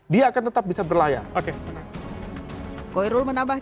dia akan tetap bisa berlayar